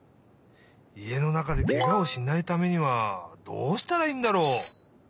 家の中でケガをしないためにはどうしたらいいんだろう？